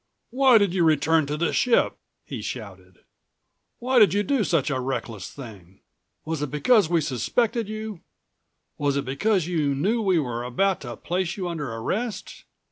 "Why did you return to the ship?" he shouted. "Why did you do such a reckless thing? Was it because we suspected you? Was it because you knew we were about to place you under arrest?